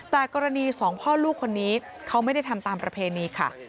แต่กรณีสองพ่อลูกคนนี้เขาไม่ได้ทำตามประเพณีค่ะ